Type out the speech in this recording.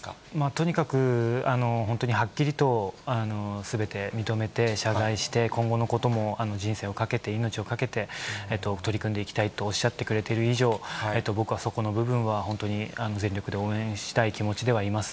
とにかく本当にはっきりとすべて認めて謝罪して、今後のことも人生を懸けて、命を懸けて取り組んでいきたいとおっしゃってくれている以上、僕はそこの部分は本当に全力で応援したい気持ちではいます。